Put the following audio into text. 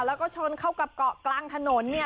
แล้วก็ชนเข้ากับเกาะกลางถนนเนี่ย